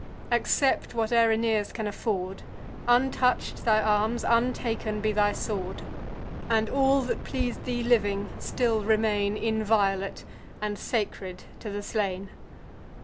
Accept whate'er Aeneas can afford; Untouch'd thy arms, untaken be thy sword; And all that pleas'd thee living, still remain Inviolate, and sacred to the slain.